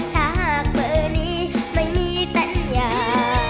หากเบอร์นี้ไม่มีสัญญา